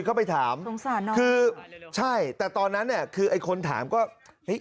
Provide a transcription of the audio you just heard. เข้าไปถามสงสารน้องคือใช่แต่ตอนนั้นเนี่ยคือไอ้คนถามก็เฮ้ย